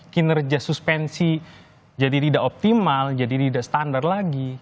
kinerja suspensi jadi tidak optimal jadi tidak standar lagi